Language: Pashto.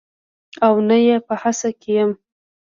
او نه یې په هڅه کې یم